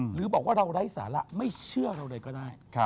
หรือบอกว่าเราไร้สาระไม่เชื่อเราเลยก็ได้